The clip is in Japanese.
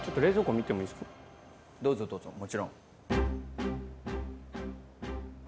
どうぞどうぞもちろん。